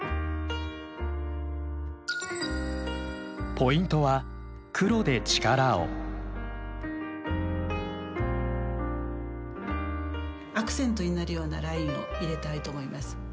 ポイントはアクセントになるようなラインを入れたいと思います。